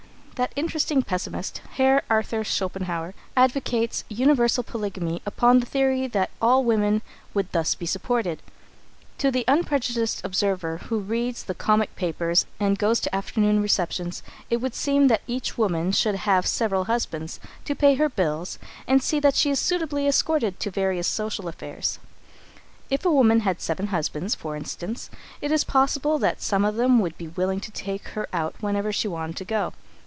That interesting pessimist, Herr Arthur Schopenhauer, advocates universal polygamy upon the theory that all women would thus be supported. To the unprejudiced observer who reads the comic papers and goes to afternoon receptions, it would seem that each woman should have several husbands, to pay her bills and see that she is suitably escorted to various social affairs. [Sidenote: Seven Husbands] If a woman had seven husbands, for instance, it is possible that some one of them would be willing to take her out whenever she wanted to go.